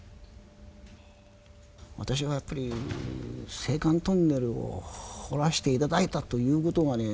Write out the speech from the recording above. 私はやっぱり青函トンネルを掘らしていただいたということがね